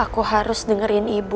aku harus dengerin ibu